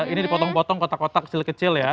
ini dipotong potong kotak kotak kecil kecil ya